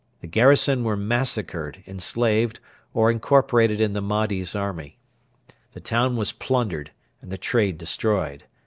The garrison were massacred, enslaved, or incorporated in the Mahdi's army. The town was plundered and the trade destroyed.